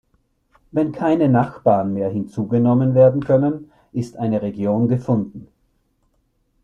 Wenn keine Nachbarn mehr hinzugenommen werden können, ist eine Region gefunden.